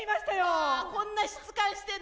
わあこんな質感してんだ。